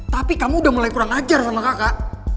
tapi kamu udah mulai kurang ajar sama kakak